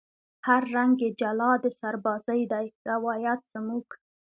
هر رنگ یې جلا د سربازۍ دی روایت زموږ